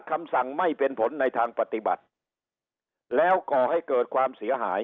คำสั่งไม่เป็นผลในทางปฏิบัติแล้วก่อให้เกิดความเสียหาย